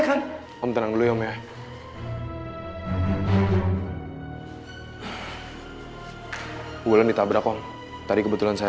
kita boleh berhenti di depan gak